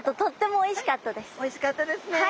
おいしかったですねえ。